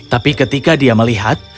tapi ketika dia melihat